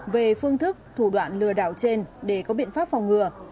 về phương thức thủ đoạn lừa đảo trên để có biện pháp phòng ngừa